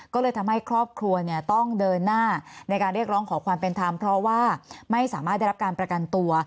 ก็เลยทำให้ครอบครัวเนี่ยต้องเดินหน้าในการเรียกร้องขอความเป็นธรรมเพราะว่าไม่สามารถได้รับการประกันตัว